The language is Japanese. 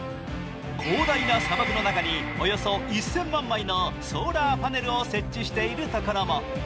広大な砂漠の中におよそ１０００万枚のソーラーパネルを設置しているところも。